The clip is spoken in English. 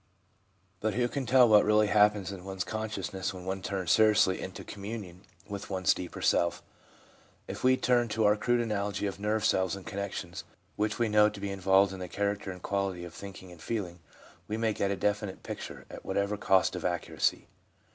But who can tell what really happens in one's con sciousness when one turns seriously into communion with one's deeper self? If we turn to our crude analogy of nerve cells and connections, which we know to be involved in the character and quality of thinking and feeling, we may get a definite picture, at whatever cost of accuracy.